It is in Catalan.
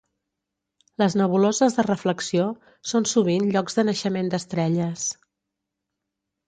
Les nebuloses de reflexió són sovint llocs de naixement d'estrelles.